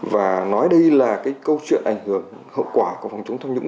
và nói đây là cái câu chuyện ảnh hưởng hậu quả của phòng chống tham nhũng